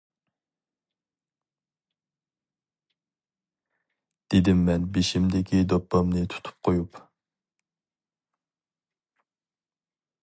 دېدىم مەن بېشىمدىكى دوپپامنى تۇتۇپ قويۇپ.